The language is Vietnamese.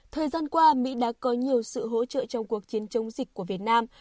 thời gian qua mỹ đã có nhiều sự hỗ trợ trong cuộc chiến chống dịch của việt nam